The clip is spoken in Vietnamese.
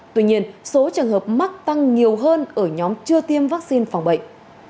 tuy nhiên số trường hợp mắc tăng nhiều hơn ở nhóm chưa tiêm vaccine phòng bệnh